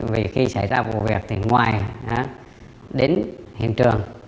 vì khi xảy ra vụ việc thì ngoài đến hiện trường